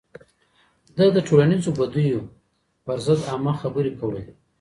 ده د ټولنيزو بديو پر ضد عامه خبرې کولې.